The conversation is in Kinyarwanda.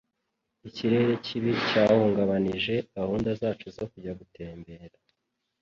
Ikirere kibi cyahungabanije gahunda zacu zo kujya gutembera